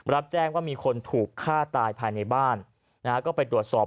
รับแจ้งว่ามีคนถูกฆ่าตายภายในบ้านนะฮะก็ไปตรวจสอบ